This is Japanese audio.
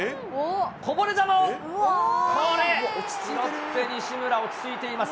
こぼれ球をこれ、拾って西村、落ち着いています。